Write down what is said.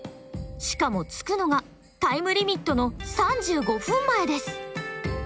しかも着くのがタイムリミットの３５分前です。